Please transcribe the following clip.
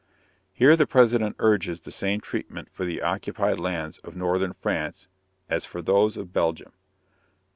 _ Here the President urges the same treatment for the occupied lands of northern France as for those of Belgium.